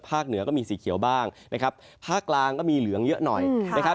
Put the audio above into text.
เหนือก็มีสีเขียวบ้างนะครับภาคกลางก็มีเหลืองเยอะหน่อยนะครับ